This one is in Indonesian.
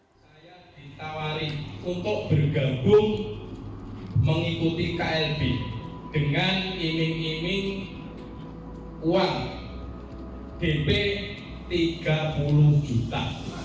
saya ditawari untuk bergabung mengikuti klb dengan iming iming uang dp tiga puluh juta